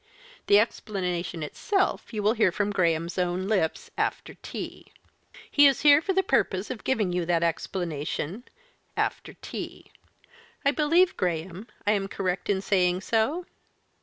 The explanation itself you will hear from Graham's own lips after tea. He is here for the purpose of giving you that explanation after tea. I believe, Graham, I am correct in saying so?"